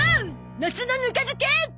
ナスのぬか漬け！